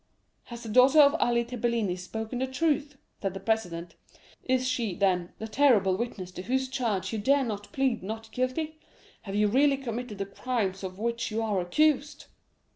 "'Has the daughter of Ali Tepelini spoken the truth?' said the president. 'Is she, then, the terrible witness to whose charge you dare not plead "Not guilty"? Have you really committed the crimes of which you are accused?